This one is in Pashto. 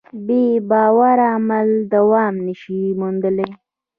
بېباوره عمل دوام نهشي موندلی.